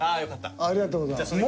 ありがとうございます。